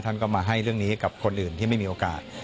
ท่านก็มาให้เรื่องนี้กับคนอื่นที่ไม่มีโอกาส